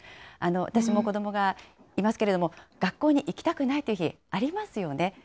私も子どもがいますけれども、学校に行きたくないという日、ありますよね。